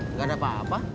nggak ada apa apa